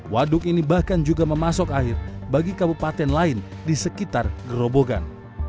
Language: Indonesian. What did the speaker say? waduk ini bahkan juga memasok air bagi kabupaten lain di sekitar gerobogan